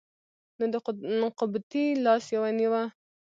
نو د قبطي لاس یې ونیوه.